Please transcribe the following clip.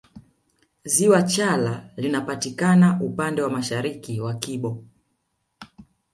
Ziwa chala linapatikana upande wa mashariki wa kibo